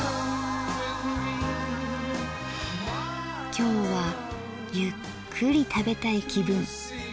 今日はゆっくり食べたい気分。